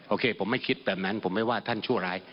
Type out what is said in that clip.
โอเคผมไม่คิดแบบนั้นผมไม่ว่าท่านชั่วร้าย